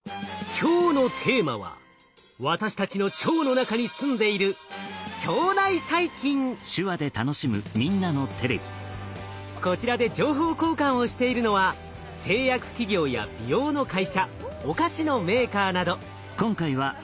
今日のテーマは私たちの腸の中に住んでいるこちらで情報交換をしているのは製薬企業や美容の会社お菓子のメーカーなど。